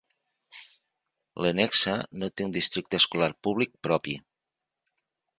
Lenexa no té un districte escolar públic propi.